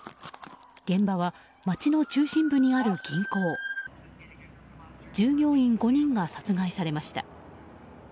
現場は街の中心部にある銀行従業員５人が殺害されました。